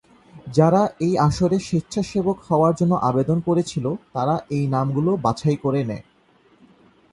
যারা এই আসরে স্বেচ্ছাসেবক হওয়ার জন্য আবেদন করেছিল তারা এই নামগুলো বাছাই করে নেয়।